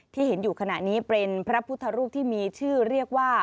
ที่เห็นอยู่ขณะนี้เป็นพระพุทธรูปที่มีชื่อเรียกว่า